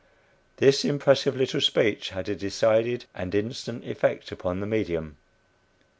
This impressive little speech had a decided and instant effect upon the "medium."